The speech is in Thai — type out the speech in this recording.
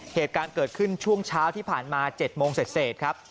เหตุการณ์เกิดขึ้นช่วงเช้าที่ผ่านมา๗โมงเสร็จครับ